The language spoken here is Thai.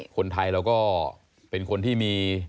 คนไทยเราก็เป็นคนที่มี